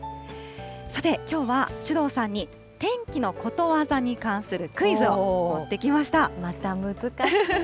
さて、きょうは首藤さんに天気のことわざに関するクイズを持ってまた難しい。